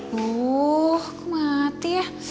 duh kok mati ya